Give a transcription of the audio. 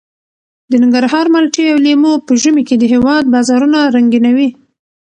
د ننګرهار مالټې او لیمو په ژمي کې د هېواد بازارونه رنګینوي.